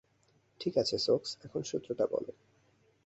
ঠিক আছে, সোকস, এখন সূত্রটা বলো।